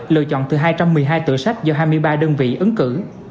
lựa chọn từ hai trăm một mươi hai tựa sách do hai mươi ba đơn vị ứng cử